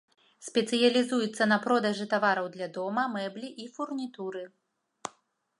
Спецыялізуецца на продажы тавараў для дома, мэблі і фурнітуры.